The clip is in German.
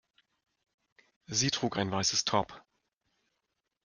Sie trug ein weißes Top.